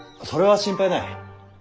それは心配ない。